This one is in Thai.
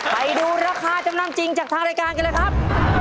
ไปดูราคาจำนำจริงจากทางรายการกันเลยครับ